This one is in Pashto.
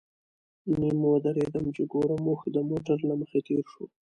نیم ودرېدم چې ګورم اوښ د موټر له مخې تېر شو.